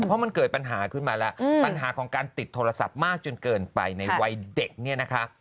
เพราะมันเกิดปัญหาขึ้นมาแล้วปัญหาของการติดโทรศัพท์มากจนเกินไปในวัยเด็กเนี่ยนะคะ